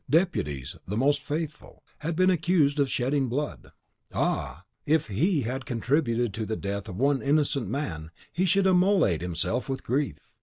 Deputies, the most faithful, had been accused of shedding blood. "Ah! if HE had contributed to the death of one innocent man, he should immolate himself with grief."